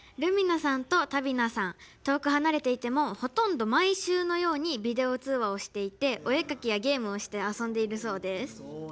タビナさん遠く離れていてもほとんど毎週のようにビデオ通話していてお絵かきやゲームをして遊んでいるそうです。